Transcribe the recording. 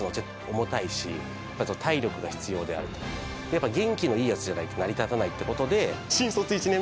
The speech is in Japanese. やっぱ元気のいいヤツじゃないと成り立たないって事で。